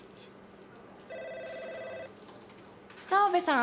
澤部さん